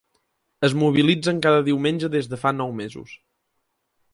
Es mobilitzen cada diumenge des de fa nou mesos.